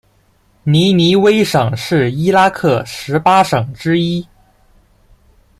尼尼微省是伊拉克十八省之一。